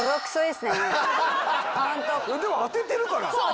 でも当ててるから。